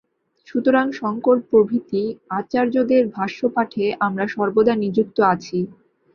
সুতরাং শঙ্কর প্রভৃতি আচার্যদের ভাষ্যপাঠে আমরা সর্বদা নিযুক্ত আছি।